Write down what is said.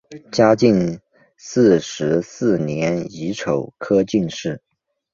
嘉靖四十四年乙丑科进士。